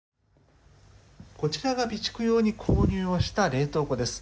こちらが備蓄用に購入した冷凍庫です。